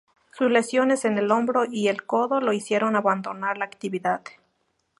Sus lesiones en el hombro y el codo lo hicieron abandonar la actividad.